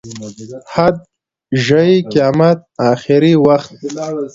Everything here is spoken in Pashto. حد، ژۍ، قیامت، اخري وخت.